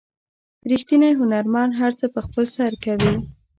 ریښتینی هنرمند هر څه په خپل سر کوي.